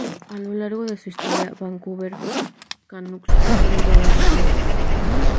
A lo largo de su historia, Vancouver Canucks ha tenido varios logos.